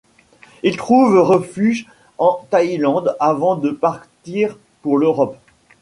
Ils trouvent refuge en Thaïlande avant de partir pour l'Europe.